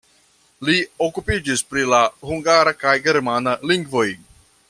Li okupiĝis pri la hungara kaj germana lingvoj.